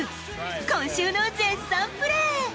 今週の絶賛プレ